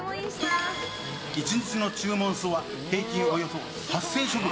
１日の注文数は平均およそ８０００食。